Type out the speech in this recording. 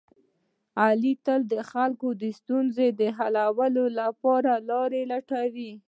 علي تل د خلکو د ستونزو د حل لپاره لاره لټوي.